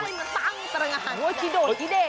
ใช่มันตั้งตรงอาหารที่โดดที่เด่